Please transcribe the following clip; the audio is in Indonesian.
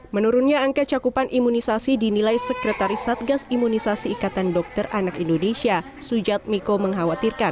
menurunnya angka cakupan imunisasi dinilai sekretaris satgas imunisasi ikatan dokter anak indonesia sujatmiko mengkhawatirkan